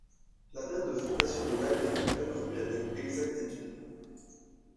La date de fondation de l’abbaye n’est pas connue avec exactitude.